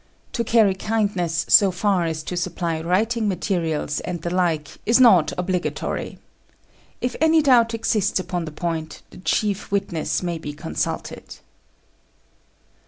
To carry kindness so far as to supply writing materials and the like is not obligatory. If any doubt exists upon the point, the chief witness may be consulted.